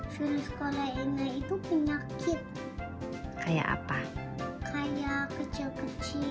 virus corona ini itu penyakit kayak apa kayak kecil kecil